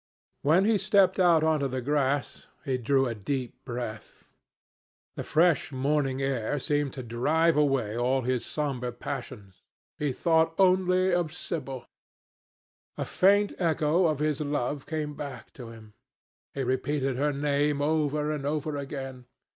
When he stepped out on to the grass, he drew a deep breath. The fresh morning air seemed to drive away all his sombre passions. He thought only of Sibyl. A faint echo of his love came back to him. He repeated her name over and over again.